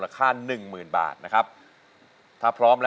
เปลี่ยนเพลงเก่งของคุณและข้ามผิดได้๑คำ